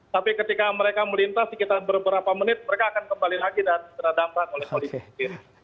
tapi ketika mereka melintas sekitar beberapa menit mereka akan kembali lagi dan terdampak oleh polisi